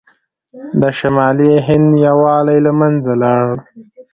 د شمالي هند یووالی له منځه لاړ.